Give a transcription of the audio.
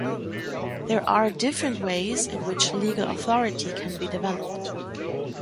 There are different ways in which legal authority can be developed.